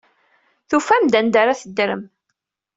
Tufam-d anda ara teddrem.